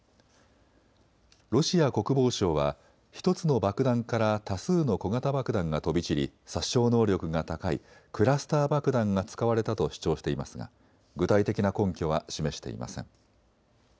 ロシア国防省は１つの爆弾から多数の小型爆弾が飛び散り殺傷能力が高いクラスター爆弾が使われたと主張していますが具体的な根拠は示していません。